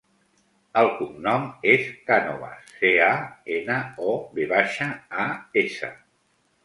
El cognom és Canovas: ce, a, ena, o, ve baixa, a, essa.